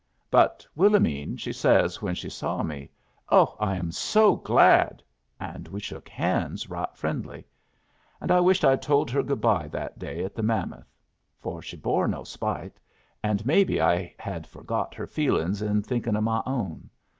"But Willomene, she says when she saw me, 'Oh, I am so glad!' and we shook hands right friendly. And I wished I'd told her good bye that day at the Mammoth. For she bore no spite, and maybe I had forgot her feelings in thinkin' of my own.